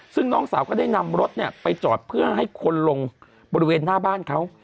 ซึ่งน้องสาวก็ได้นำรถไปจอดเพื่อให้คนลงบริเวณหน้าบ้านเขา